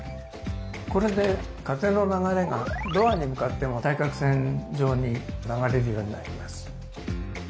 これで風の流れがドアに向かっても対角線上に流れるようになります。